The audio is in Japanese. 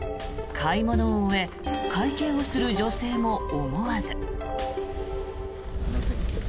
買い物を終え会計をする女性も思わず。